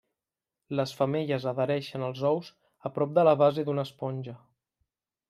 Les femelles adhereixen els ous a prop de la base d'una esponja.